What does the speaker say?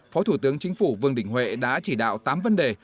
phó thủ tướng chính phủ vương đình huệ đã chỉ đạo tám vấn đề